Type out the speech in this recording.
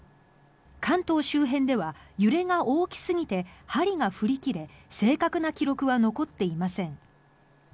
関東周辺では揺れが大きすぎて針が振り切れ正確な記録は残っていません。